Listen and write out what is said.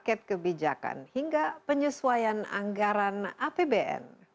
paket kebijakan hingga penyesuaian anggaran apbn